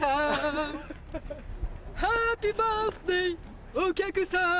ハッピーバースデーディアお客さん